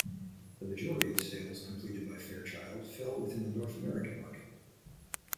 The majority of sales completed by Fairchild fell within the North American market.